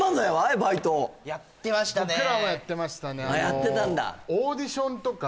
バイト僕らもやってましたね